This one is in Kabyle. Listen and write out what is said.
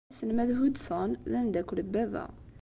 Aselmad Hudson d ameddakel n baba.